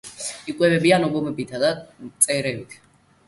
იკვებებიან ობობებითა და მწერებით.